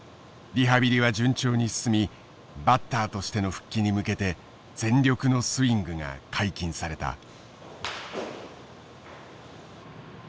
リハビリは順調に進みバッターとしての復帰に向けて全力のスイングが解禁された。